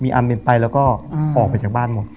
อันเป็นไปแล้วก็ออกไปจากบ้านหมด